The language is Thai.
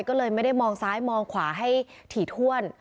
ก็เลยไม่ได้มองซ้ายมองขวาให้ถี่ถ้วน